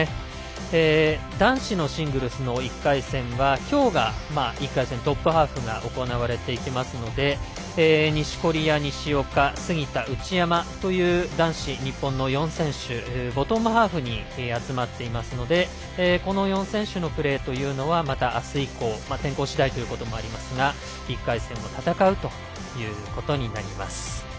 男子のシングルスの１回戦はきょうが１回戦トップハーフが行われていきますので錦織や西岡、杉田、内山という男子、日本の４選手はボトムハーフに集まっていますのでこの４選手のプレーというのはまたあす以降天候次第ということもありますが１回戦を戦うということになります。